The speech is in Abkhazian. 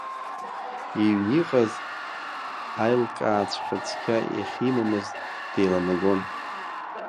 Иҩны иҟаз аилкааҵәҟьа цқьа иахьимамыз деиланагон.